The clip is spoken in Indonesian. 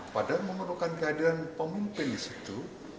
padahal memerlukan kehadiran pemimpin di situ